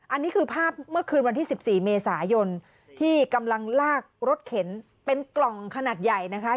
อันนี้คือภาพเมื่อคืนวันที่๑๔เมษายนที่กำลังลากรถเข็นเป็นกล่องขนาดใหญ่นะคะ